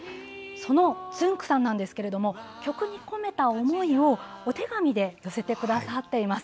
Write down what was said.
そのつんく♂さんなんですが曲に込めた思いをお手紙で寄せてくださっています。